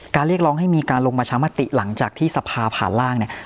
เรียกร้องให้มีการลงประชามติหลังจากที่สภาผ่านร่างเนี่ย